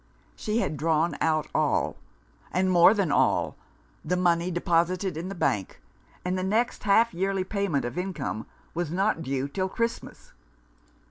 She had drawn out all, and more than all, the money deposited in the bank; and the next half yearly payment of income was not due until Christmas.